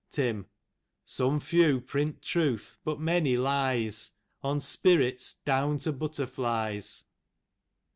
Tim :" Some few print truth, but many lies, On spirits, down to bittU nib 8.